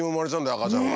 赤ちゃんが。